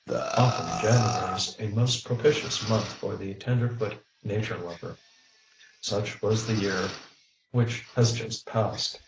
Often January is a most propitious month for the tenderfoot nature lover. Such was the year which has just passed.